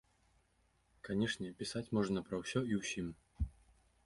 Канешне, пісаць можна пра ўсё і ўсім.